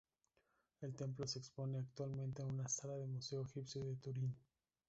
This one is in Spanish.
El templo se expone actualmente en una sala del Museo Egipcio de Turín.